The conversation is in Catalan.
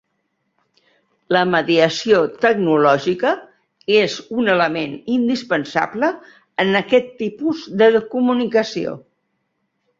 La mediació tecnològica és un element indispensable en aquest tipus de comunicació.